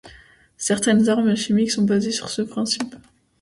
Certaines armes chimiques sont basées sur ce principe.